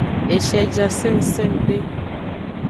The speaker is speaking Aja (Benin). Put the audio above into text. Eshie ja sengsengde.